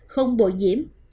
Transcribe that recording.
không bồi diễm